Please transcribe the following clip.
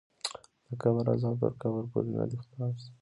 د قبر غذاب تر قبر پورې ندی خاص